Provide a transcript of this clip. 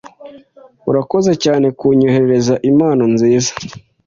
Urakoze cyane kunyoherereza impano nziza.